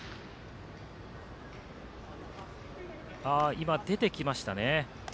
今、出てきましたね。